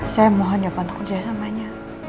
saya mohon ya pak untuk kerjasamanya